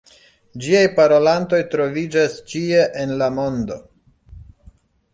Ĝiaj parolantoj troviĝas ĉie en la mondo.